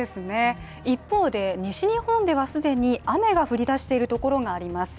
一方で、西日本では既に雨が降りだしているところがあります。